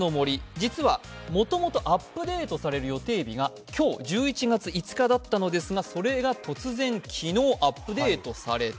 実はもともとアップデートされる予定日が今日１１月５日だったのですが、それが突然昨日アップデートされた。